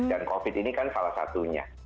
dan covid ini kan salah satunya